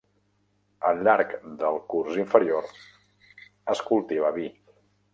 Al llarg del curs inferior, es cultiva vi.